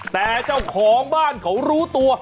แต่เจ้าของบ้านเขารู้ตัว